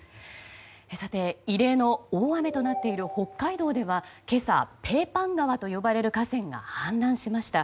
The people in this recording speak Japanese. さて、異例の大雨となっている北海道では今朝、ペーパン川と呼ばれる河川が氾濫しました。